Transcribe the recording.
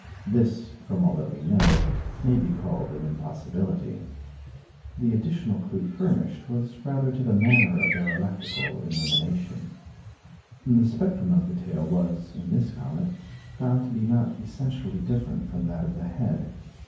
This, from all that we know, may be called an impossibility. The additional clue furnished was rather to the manner of their electrical illumination. The spectrum of the tail was, in this comet, found to be not essentially different from that of the head.